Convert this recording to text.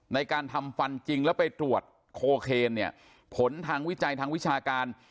ในการทำฟันจริงแล้วไปตรวจโคเคนเนี่ยผลทางวิจัยทางวิชาการ